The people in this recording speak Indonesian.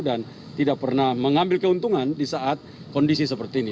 dan tidak pernah mengambil keuntungan di saat kondisi seperti ini